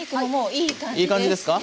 いい感じですか。